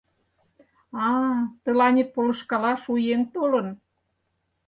— А-а, тыланет полышкалаш у еҥ толын.